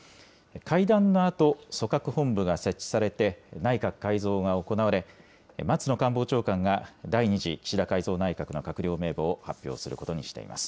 会談のあと、組閣本部が設置されて、内閣改造が行われ、松野官房長官が第２次岸田改造内閣の閣僚名簿を発表することにしています。